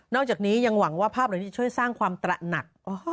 จากนี้ยังหวังว่าภาพเหล่านี้จะช่วยสร้างความตระหนัก